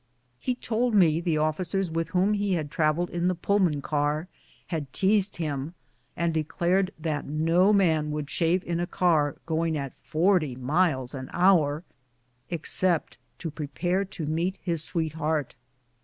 He told me the officers with whom he had trav elled in the Pullman car had teased him, and declared that no man would shave in a car going at forty miles an hour, except to prepare to meet his sweetheart.